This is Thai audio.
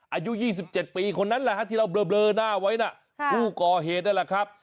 อายุ๒๗ปีคนนั้นแหละฮะที่เราเบลอหน้าไว้นะผู้ก่อเหตุนั่นแหละครับ